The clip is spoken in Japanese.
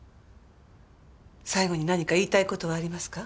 最後に何か言いたい事はありますか？